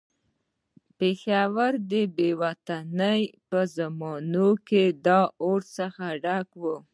پېښور د بې وطنۍ په زمانه کې د اور څخه ډک وو.